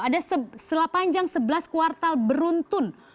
ada selapanjang sebelas kuartal beruntun